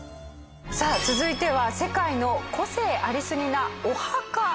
さあ続いては世界の個性ありすぎなお墓動画です。